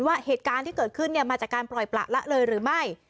ว่าเหตุการณ์ที่เกิดขึ้นมาจากการปล่อยประละเลยหรือไม่